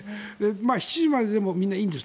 ７時まででもいいんです。